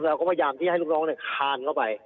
เราก็พยายามที่ให้ลูกน้องคานเข้าไป